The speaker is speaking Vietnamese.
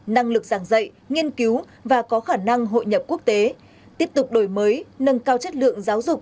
năng lực giảng dạy nghiên cứu và có khả năng hội nhập quốc tế tiếp tục đổi mới nâng cao chất lượng giáo dục